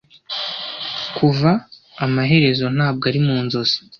kuva amaherezo ntabwo ari mu nzozi